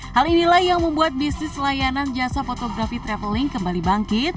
hal inilah yang membuat bisnis layanan jasa fotografi traveling kembali bangkit